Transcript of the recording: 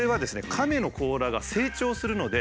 カメの甲羅が成長するので。